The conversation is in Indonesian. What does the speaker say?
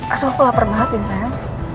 aduh aku lapar banget ya sayang